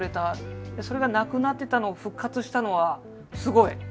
それがなくなってたのを復活したのはすごい。